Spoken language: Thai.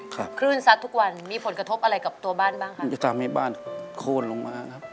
คลื่นซัดทุกวันมีผลกระทบอะไรกับตัวบ้านบ้างคะมันจะทำให้บ้านโคนลงมาครับ